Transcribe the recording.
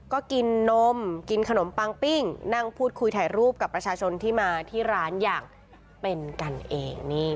ก็กินนมกินขนมปังปิ้งนั่งพูดคุยถ่ายรูปกับประชาชนที่มาที่ร้านอย่างเป็นกันเอง